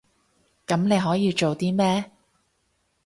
噉你可以做啲咩？